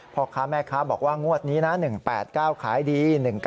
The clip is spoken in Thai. พ่อค้าแม่ค้าบอกว่างวดนี้นะ๑๘๙ขายดี